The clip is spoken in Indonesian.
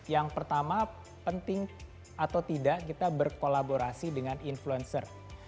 yang pertama penting atau tidak kita berkolaborasi dengan influencer